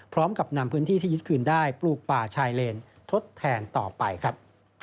พร้อมกับนำพื้นที่ที่ยึดคืนได้ปลูกป่าชายเลนทดแทนต่อไปครับ